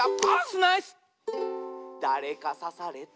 「だれかさされた」